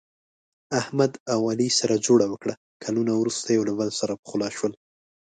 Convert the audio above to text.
احمد او علي سره جوړه وکړه، کلونه ورسته یو له بل سره پخلا شول.